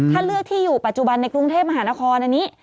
ถ้าเลือกที่อยู่ปัจจุบันในกรุงเทพมหานครอันนี้